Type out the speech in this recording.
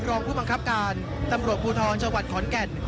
รองคุมังคับการตำรวจพูทรชาวัดขอนแก่น